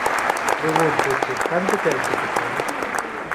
Pregúntache: Canto queres que te poña?